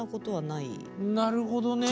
なるほどね。